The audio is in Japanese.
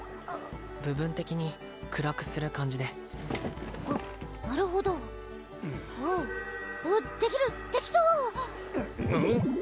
部分的に暗くする感じであっなるほどおおっできるできそううん？